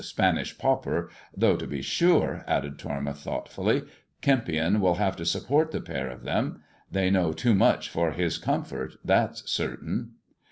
Spanish pauper, though, to bo sure," added Tormouth thoughtfully, " Kempion will have to support the pair of them. They know too much for his comfort, that's certain."